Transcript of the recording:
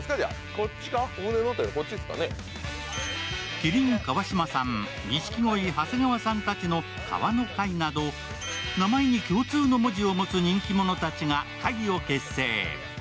麒麟・川島さん、錦鯉・長谷川さんたちの「川の会」など、名前に共通の文字を持つ人気者たちが会を結成。